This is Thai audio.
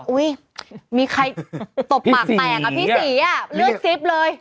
อุ้ยมีใครตบปากแตกอ่ะพี่ศรีอ่ะเลือดซิบเลย